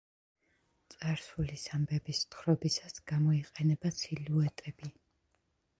წარსულის ამბების თხრობისას გამოიყენება სილუეტები.